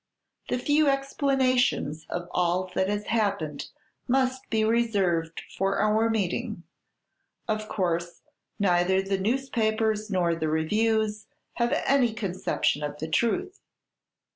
The few explanations of all that has happened must be reserved for our meeting. Of course, neither the newspapers nor the reviews have any conception of the truth.